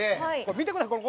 見てください。